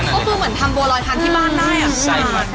ก็คือทำบูอรอยท่านก็ใช่